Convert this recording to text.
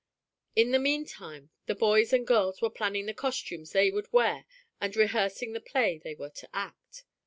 In the meantime the boys and girls were planning the costumes they would wear and rehearsing the play they were to act.